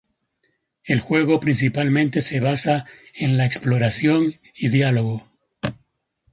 El juego principalmente se basa en la exploración y diálogo.